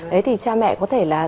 đấy thì cha mẹ có thể là